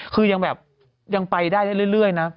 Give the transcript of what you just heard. คือยังไปได้เรื่อยนะ